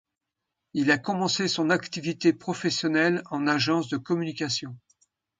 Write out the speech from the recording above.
Il a commencé son activité professionnelle en agence de communication.